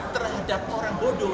terhadap orang bodoh